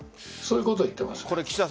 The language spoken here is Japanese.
そういう事を言っています。